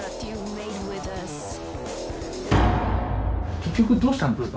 結局どうしたんですか？